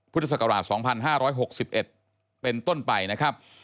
พุทธศักราช๒๕๖๑เป็นต้นไปนะครับ